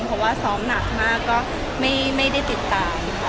เพราะว่าสองที่นานก็ไม่ได้ติดตาม